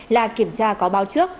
là kiểm tra có báo trước